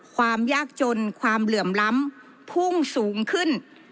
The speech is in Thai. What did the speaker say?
ความยากจนความเหลื่อมล้ำพุ่งสูงขึ้น